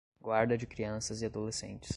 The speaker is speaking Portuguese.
guarda de crianças e adolescentes